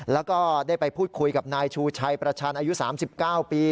แล้วก็ได้ไปพูดคุยกับนายชูชัยประชันอายุ๓๙ปี